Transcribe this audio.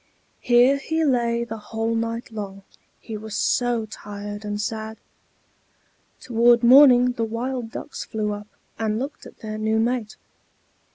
Here he lay the whole night long, he was so tired and sad. Toward morning the wild ducks flew up, and looked at their new mate.